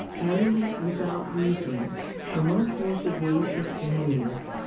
2 Animals without reason are much more sagacious than we.